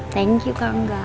thank you kangga